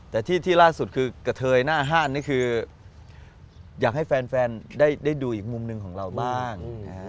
แต่ที่ล่าสุดคือกระเทยหน้าห้านนี่คืออยากให้แฟนได้ดูอีกมุมหนึ่งของเราบ้าง